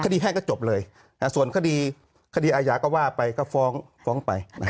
แพ่งก็จบเลยส่วนคดีอาญาก็ว่าไปก็ฟ้องไป